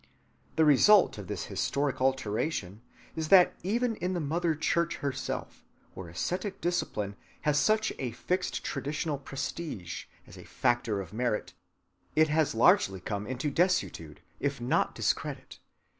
The result of this historic alteration is that even in the Mother Church herself, where ascetic discipline has such a fixed traditional prestige as a factor of merit, it has largely come into desuetude, if not discredit.